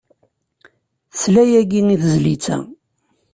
Tesla yagi i tezlit-a.